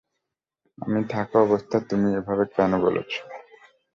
এই আমি থাকা অবস্থায় তুমি এভাবে কেন বলছো?